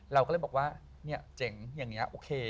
เราก็เลยบอกว่าเนี่ยเจ๋งอย่างนี้โอเค